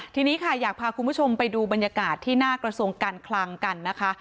ทีนี้ค่ะอยากพาคุณผู้ชมไปดูบรรยากาศที่หน้ากระทรวงการคลังกันนะคะ